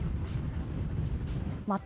また、